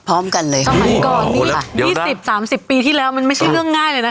พร้อมกันเลยค่ะสมัยก่อนนี้ยี่สิบสามสิบปีที่แล้วมันไม่ใช่เรื่องง่ายเลยนะคะ